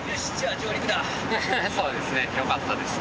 そうですねよかったです。